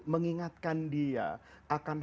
mengingatkan dia akan